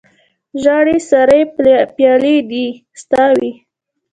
ژړې سرې پیالې دې ستا وي